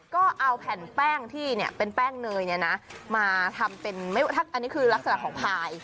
ก็เอาแผ่นแป้งที่เนี่ยเป็นแป้งเนยเนี่ยนะมาทำเป็นอันนี้คือลักษณะของพาย